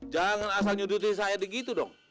jangan asal nyuduti saya begitu dong